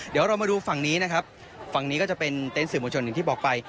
เดี๋ยวเรามาดูฝั่งนี้นะครับฝั่งนี้ก็จะเป็นเต็นต์สื่อมวลชนอย่างที่บอกไป